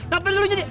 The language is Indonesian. dapet lu jadi